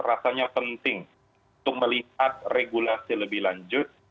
rasanya penting untuk melihat regulasi lebih lanjut